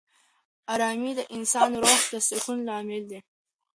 آرامي د انسان د روح د سکون لامل ده.